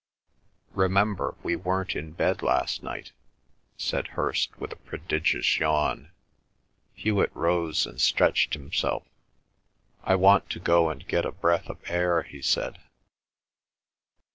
"Remember we weren't in bed last night," said Hirst with a prodigious yawn. Hewet rose and stretched himself. "I want to go and get a breath of air," he said.